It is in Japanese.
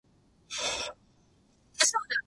新しい靴が少しだけ足を痛めた。